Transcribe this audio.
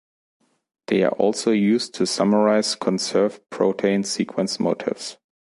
They are also used to summarise conserved protein sequence motifs.